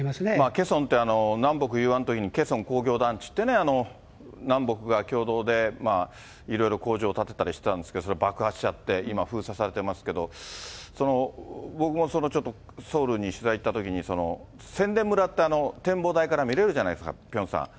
ケソンって、南北融和のときにケソン工業団地って、南北が共同でいろいろ工場を建てたりしてたんですけど、それ、爆発しちゃって、今、封鎖されてますけど、その僕もそのちょっとソウルに取材行ったときに、宣伝村って、展望台から見れるじゃないですか、ピョンさん。